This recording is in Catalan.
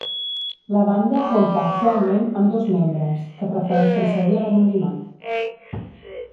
La banda compta actualment amb dos membres, que prefereixen seguir a l'anonimat.